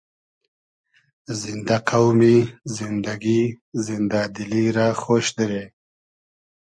زیندۂ قۆمی ، زیندئگی ، زیندۂ دیلی رۂ خۉش دیرې